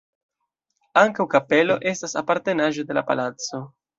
Ankaŭ kapelo estas apartenaĵo de la palaco.